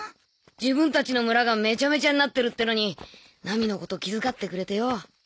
自分たちの村がメチャメチャになってるってのにナミのこと気づかってくれてよ